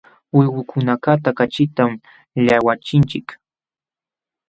Uywakunakaqta kaćhitam llaqwachinchik.